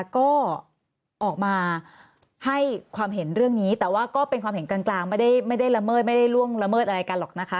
ก็ออกมาให้ความเห็นเรื่องนี้แต่ว่าก็เป็นความเห็นกลางไม่ได้ละเมิดไม่ได้ล่วงละเมิดอะไรกันหรอกนะคะ